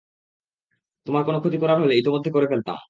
তোমার কোনো ক্ষতি করার হলে, ইতোমধ্যে করে ফেলতাম।